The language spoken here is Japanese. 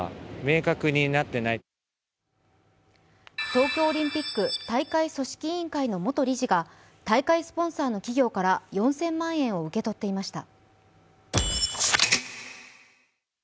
東京オリンピック大会組織委員会の元理事が大会スポンサーの企業から４０００万円を受け取っていました。